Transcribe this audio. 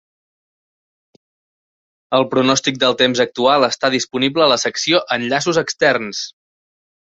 El pronòstic del temps actual està disponible a la secció "Enllaços externs".